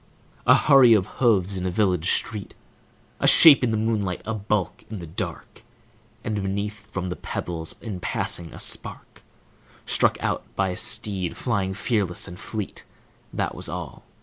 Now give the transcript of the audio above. A hurry of hoofs in a village street, A shape in the moonlight, a bulk in the dark, And beneath, from the pebbles, in passing, a spark Struck out by a steed flying fearless and fleet: That was all!